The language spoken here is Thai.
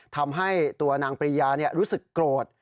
ทำให้ตัวนางปริยารู้สึกโกรธ